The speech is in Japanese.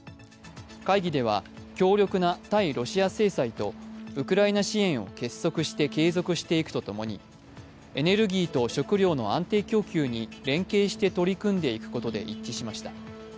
会議では強力な対抗ロシア制裁とウクライナ支援を継続していくとともにエネルギーと食料の安定供給に連携して取り組んでいくことで一致しました。